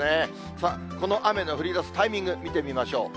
さあ、この雨の降りだすタイミング、見てみましょう。